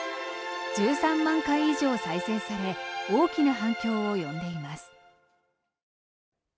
１３万回以上再生され大きな反響を呼んでいます。